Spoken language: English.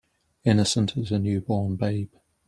Innocent as a new born babe.